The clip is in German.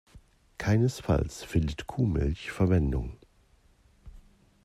Keinesfalls findet Kuhmilch Verwendung.